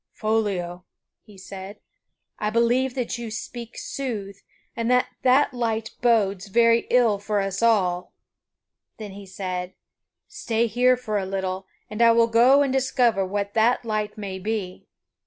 "Foliot," he said, "I believe that you speak sooth and that that light bodes very ill for us all." Then he said: "Stay here for a little and I will go and discover what that light may be."